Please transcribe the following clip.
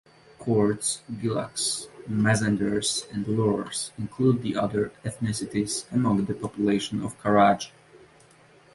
Kurds, Gilaks, Mazanders and Lurs include the other ethnicities among the population of Karaj.